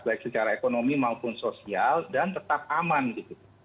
baik secara ekonomi maupun sosial dan tetap aman gitu